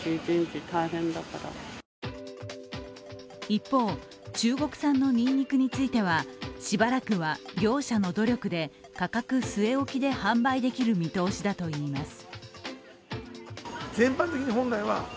一方、中国産のにんにくについてはしばらくは業者の努力で価格据え置きで販売できる見通しだといいます。